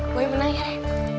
gue menang ya re